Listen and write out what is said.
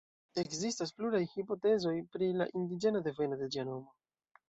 Ekzistas pluraj hipotezoj pri la indiĝena deveno de ĝia nomo.